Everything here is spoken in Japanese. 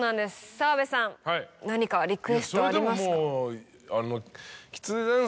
澤部さん何かリクエストありますか？